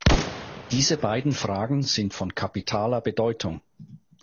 Diese beiden Fragen sind von kapitaler Bedeutung.